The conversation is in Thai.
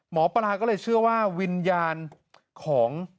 หมอปลาก็เลยเชื่อว่าวิญญาณของ